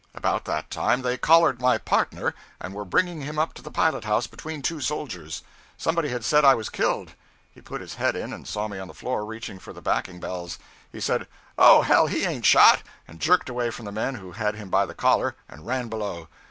About that time, they collared my partner and were bringing him up to the pilot house between two soldiers. Somebody had said I was killed. He put his head in and saw me on the floor reaching for the backing bells. He said, 'Oh, hell, he ain't shot,' and jerked away from the men who had him by the collar, and ran below.